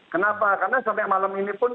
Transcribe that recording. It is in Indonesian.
kenapa karena sampai malam ini pun